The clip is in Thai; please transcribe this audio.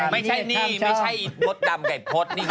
ไม่ใช่นี่ไม่ใช่อีกมดดำกายพรชน์เนี่ย